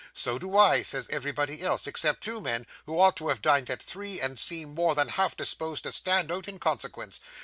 "So do I," says everybody else, except two men who ought to have dined at three and seem more than half disposed to stand out in consequence.